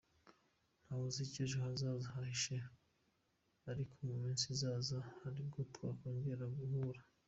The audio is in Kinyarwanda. Ntawe uzi icyo ejo hazaza hahishe ariko mu minsi izaza hari ubwo twakongera guhura.